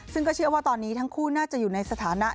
ซึ่งก็เชื่อว่าตอนนี้ทั้งคู่น่าจะอยู่ในสถานะ